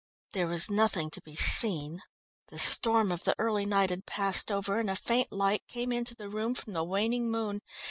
There was nothing to be seen. The storm of the early night had passed over, and a faint light came into the room from the waning moon.